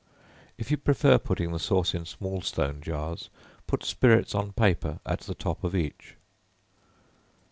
If you prefer putting the sauce in small stone jars, put spirits on paper at the top of each.